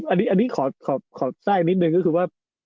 อันนี้ขอใส่นิดนึง